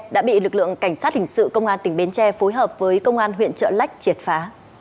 đã bị lực lượng cảnh sát hình sự công an tỉnh bến tre phối hợp với công an huyện trợ lách triệt phá